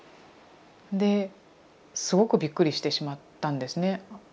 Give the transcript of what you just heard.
ですごくびっくりしてしまったんですね。